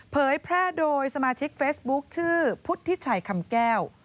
เผยแพร่โดยสมาชิกเฟซบุ๊คชื่อพุทธิชัยคำแก้ว